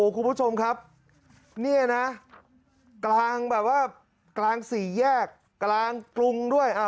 คุณผู้ชมครับนี่นะกลางสี่แยกกลางกรุงด้วย